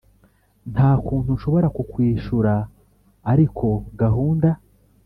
nta kuntu nshobora kukwishura, ariko gahunda